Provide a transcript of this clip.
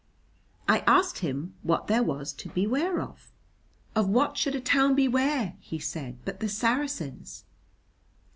I asked him what there was to beware of. "Of what should a town beware," he said, "but the Saracens?"